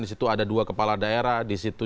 disitu ada dua kepala daerah disitu